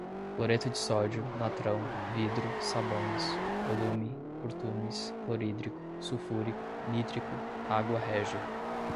cloreto de sódio, natrão, vidro, sabões, alume, curtumes, clorídrico, sulfúrico, nítrico, água régia